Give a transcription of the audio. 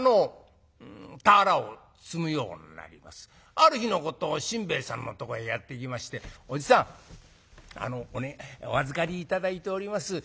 ある日のこと新兵衛さんのとこへやって来まして「おじさんお預かり頂いておりますお金なんですが」。